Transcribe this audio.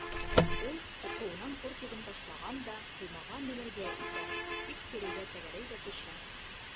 Ул ҡурҡыуынан кортигын ташлаған да ҡоймаға менергә итә, тик кирегә тәгәрәй ҙә төшә.